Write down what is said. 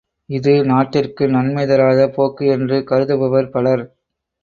இது நாட்டிற்கு நன்மை தராத போக்கு என்று கருதுபவர் பலர்.